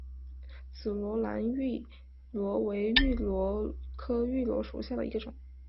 紫萝兰芋螺为芋螺科芋螺属下的一个种。